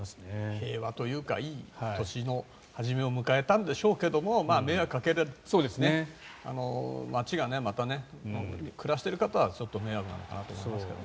平和というかいい年の初めを迎えたんでしょうけど迷惑をかけると街がまた、暮らしている方はちょっと迷惑なのかなと思いますけどね。